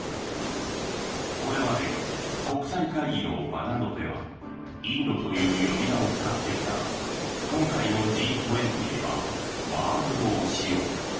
これまで国際会議の場などではインドという呼び名を使ってきたが今回のＧ２０ではバーラトを使用。